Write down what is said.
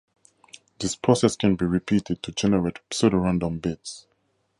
This process can be repeated to generate pseudo-random bits.